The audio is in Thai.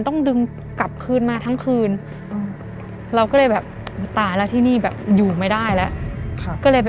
ต้องดึงกลับคืนมาทั้งคืนเราก็เลยแบบตายแล้วที่นี่แบบอยู่ไม่ได้แล้วก็เลยไป